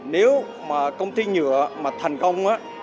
nếu mà công ty nhựa mà thành công á